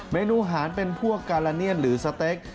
เมนูหารเป็นพวกกาลาเนียนหรือสเต็ก